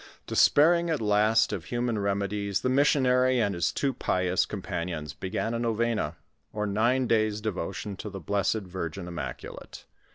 Despairing at lost of human remedies, the missionary and his two pious companions began a novena, or nine days' devotion to the Blessed Virgin Im maculate.